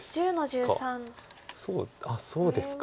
そうあっそうですか。